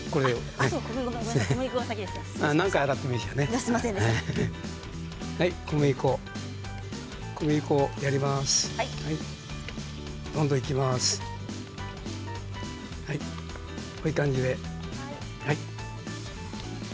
こういう感じで。